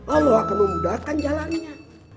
allah akan memudahkan jalannya